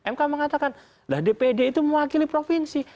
mk mengatakan lah dpd itu mewakili provinsi